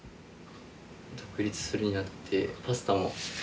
独立するようになってパスタも。